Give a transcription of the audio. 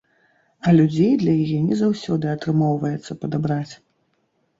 А людзей для яе не заўсёды атрымоўваецца падабраць.